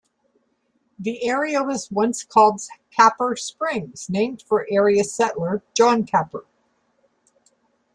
The area was once called Capper Springs, named for area settler John Capper.